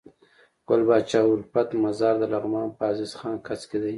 ګل پاچا الفت مزار دلغمان په عزيز خان کځ کي